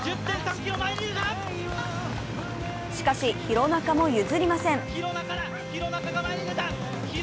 しかし、廣中も譲りません。